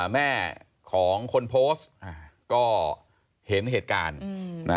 แม่ของคนโพสต์ก็เห็นเหตุการณ์